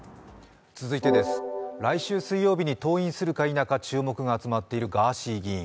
来週水曜日に登院するか否か注目が集まっているガーシー議員。